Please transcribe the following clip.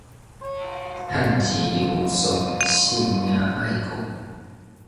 賺錢有數，性命愛顧